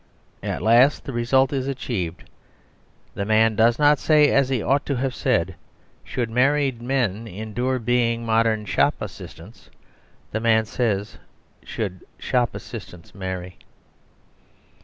At last the result is achieved. The man does not say as he ought to have said, "Should married men endure being modern shop assistants?" The man says, "Should shop assistants marry?"